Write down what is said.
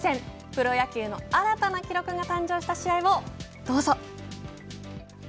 プロ野球の新たな記録が誕生した試合をどうぞ。